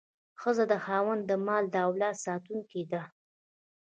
ښځه د خاوند د مال او اولاد ساتونکې ده.